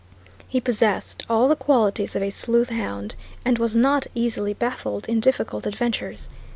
He possessed all the qualities of a sleuth hound and was not easily baffled in difficult adventures.